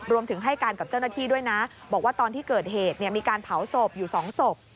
รวมถึงให้การกับเจ้าหน้าที่ด้วยนะบอกว่าตอนที่เกิดเหตุมีการเผาศพอยู่๒ศพ